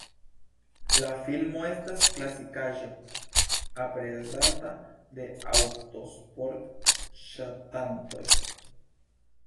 La filmo estas klasikaĵo, aprezata de aŭtosport-ŝatantoj.